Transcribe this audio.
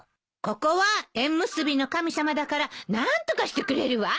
ここは縁結びの神様だから何とかしてくれるわ。